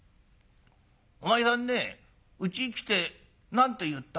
お前さんねうちに来て何て言った？